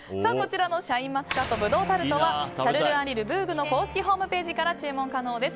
シャインマスカット葡萄タルトはシャルルアンリ・ルブーグの公式ホームページから注文可能です。